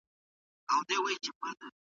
زه به په راتلونکي کې د شاعرانو ژوندلیک لیکم.